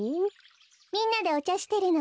みんなでおちゃしてるの。